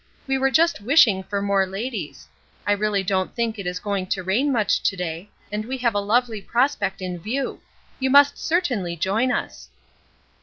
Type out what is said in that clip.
We were just wishing for more ladies. I really don't think it is going to rain much to day, and we have a lovely prospect in view. You must certainly join us."